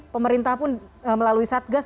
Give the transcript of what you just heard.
pemerintah pun melalui satgas